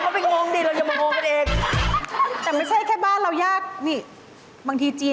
ภาพ